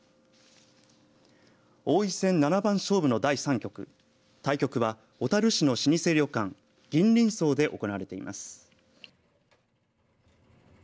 王位戦七番勝負の第３局対局は小樽市の老舗旅館銀麟荘で行われています。